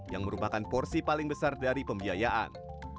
yang merupakan porsi paling besar dari pembiayaan